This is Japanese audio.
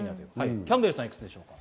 キャンベルさん、いくつですか？